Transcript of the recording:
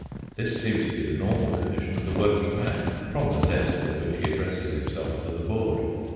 This seems to be the normal condition of the working man, from the zest with which he addresses himself to the board.